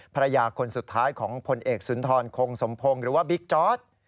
ภรรยาคนสุดท้ายของผลเอกสุนทรคงสมพงศ์หรือว่าบิ๊กจอร์ด